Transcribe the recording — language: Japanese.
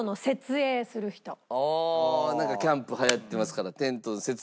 キャンプ流行ってますからテントの設営。